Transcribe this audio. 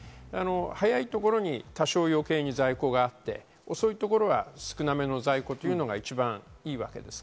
早いところに多少余計に在庫があって、遅いところは少なめの在庫が一番いいわけです。